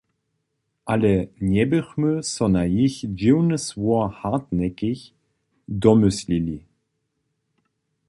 Ale njeběchmy so na jich dźiwne słowo „hartnäckig“ domyslili.